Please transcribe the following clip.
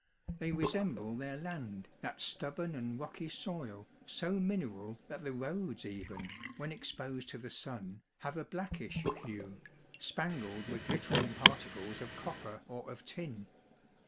They resemble their land, that stubborn and rocky soil, so mineral that the roads even, when exposed to the sun, have a black ish hue, spangled with glittering particles of cop per or of tin.